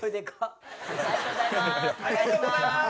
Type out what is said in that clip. ありがとうございます！